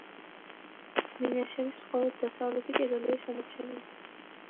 მინაშენის მხოლოდ დასავლეთი კედელია შემორჩენილი.